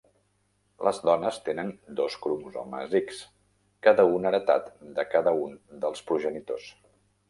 Les dones tenen dos cromosomes X, cada un heretat de cada un dels progenitors.